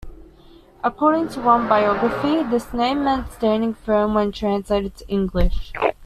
According to one biography, this name meant "standing firm" when translated to English.